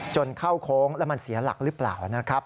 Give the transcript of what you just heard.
เข้าโค้งแล้วมันเสียหลักหรือเปล่านะครับ